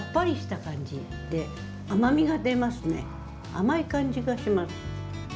甘い感じがします。